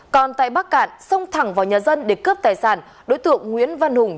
còn tại bắc cạn xông thẳng vào nhà dân để cướp tài sản đối tượng nguyễn văn hùng